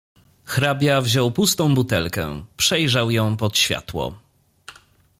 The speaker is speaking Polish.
"Hrabia wziął pustą butelkę przejrzał ją pod światło."